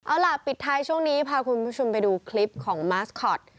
เอาล่ะปิดท้ายช่วงนี้พาคุณผู้ชมไปดูคลิปของมาสคอต